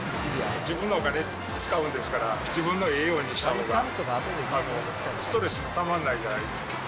自分のお金使うんですから、自分のええようにしたほうが、ストレスもたまんないじゃないですか。